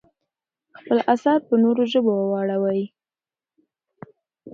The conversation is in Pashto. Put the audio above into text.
خپل اثار په نورو ژبو واړوئ.